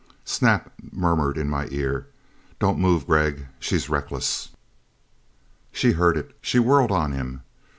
Snap murmured in my ear, "Don't move, Gregg! She's reckless." She heard it. She whirled on him.